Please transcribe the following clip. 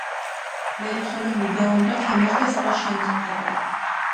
ბრელი ხოლო მიდეჸონ დო ქემერთეს ბოშენქ ადრე.